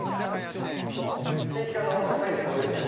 地域課の甲斐享です。